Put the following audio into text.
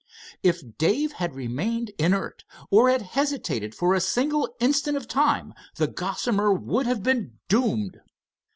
If Dave had remained inert, or had hesitated for a single instant of time, the Gossamer would have been doomed.